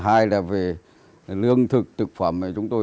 hai là về lương thực thực phẩm này chúng tôi